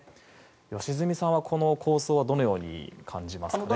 良純さんは、この構想はどのように感じますか。